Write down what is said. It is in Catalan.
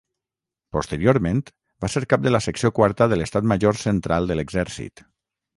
Posteriorment va ser cap de la Secció Quarta de l'Estat Major Central de l'Exèrcit.